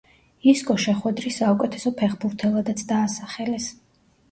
ისკო შეხვედრის საუკეთესო ფეხბურთელადაც დაასახელეს.